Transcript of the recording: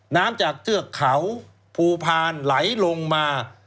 น้ำจากเทือกเขาภูพาลไหลลงมา